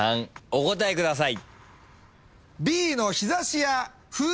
お答えください。